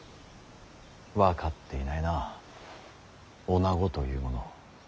分かっていないな女子というものを。